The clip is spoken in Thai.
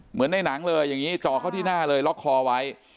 เหมือนในหนังเลยอย่างนี้จ่อเข้าที่หน้าเลยล็อกคอไว้